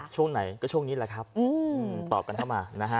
ช่วงไหนก็ช่วงนี้แหละครับตอบกันเข้ามานะฮะ